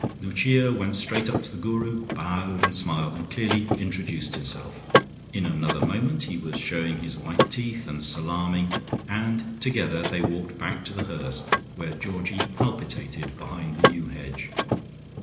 Lucia went straight up to the Guru, bowed and smiled and clearly introduced herself. In another moment he was showing his white teeth and salaaming, and together they walked back to The Hurst, where Georgie palpitated behind the yew hedge.